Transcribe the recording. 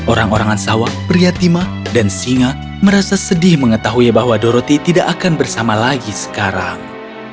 orang orangan sawah pria timah dan singa merasa sedih mengetahui bahwa doroth tidak akan bersama lagi sekarang